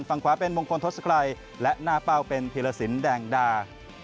ฝั่งขวาเป็นมงคลทศกรัยและหน้าเป้าเป็นธีรสินแดงดา